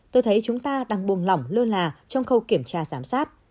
tôi thấy chúng ta đang buồng lỏng lơ là trong khâu kiểm tra giám sát